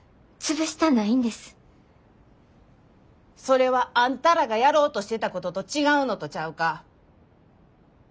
それはあんたらがやろうとしてたことと違うのとちゃうか。